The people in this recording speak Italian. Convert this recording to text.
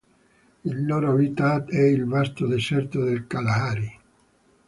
Il loro habitat è il vasto deserto del Kalahari.